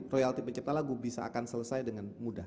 royalti pencipta lagu bisa akan selesai dengan mudah